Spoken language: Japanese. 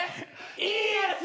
いいやつ！